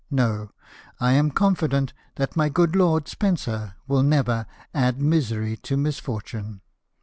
No ; I am confident that my good Lord Spencer will never add misery to misfortune.